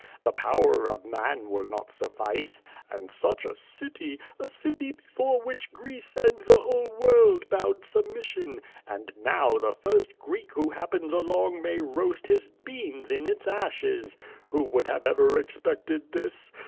The power of man will not suffice. And such a city — a city before whicli Greece and the whole world bowed submission! And now the first Greek who happens along may roast his beans in its aslies. Who would have ever expected this?